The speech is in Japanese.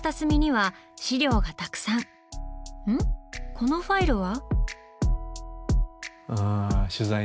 このファイルは？